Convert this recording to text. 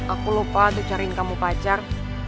aku lupa tuh cariin kamu pacar